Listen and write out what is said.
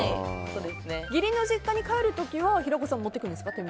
義理の実家に帰る時は平子さんは持っていくんですか？